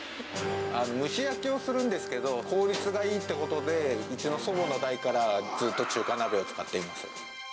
蒸し焼きをするんですけど、効率がいいということで、うちの祖母の代から、ずっと中華鍋を使っています。